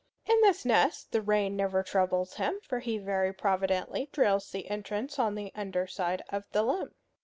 In this nest the rain never troubles him, for he very providently drills the entrance on the under side of the limb.